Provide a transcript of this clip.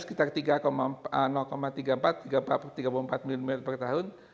sekitar tiga puluh empat milimeter per tahun